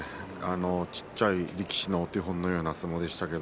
小さい力士のお手本のような相撲でした。